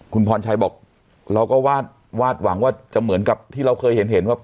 คุณพรชัยบอกเราก็วาดหวังว่าจะเหมือนกับที่เราเคยเห็นเห็นว่า